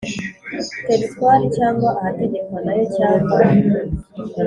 Teritwari cyangwa ahategekwa nayo cyangwa